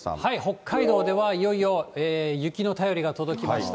北海道ではいよいよ雪の便りが届きました。